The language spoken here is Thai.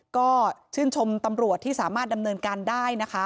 ก็ชื่นชมตำรวจที่สามารถดำเนินการได้นะคะ